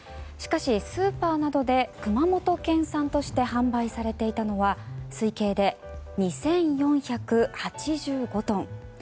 しかしスーパーなどで熊本県産として販売されていたのは推計で２４８５トン。